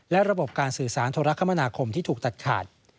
และระบบการสื่อสารโทรคมนาคมที่ถูกตัดขาด